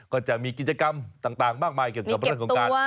ก็จะมีกิจกรรมต่างมากมายเกี่ยวกับเรื่องของการ